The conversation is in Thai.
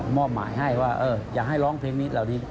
มอบหมายให้ว่าอย่าให้ร้องเพลงนี้เหล่านี้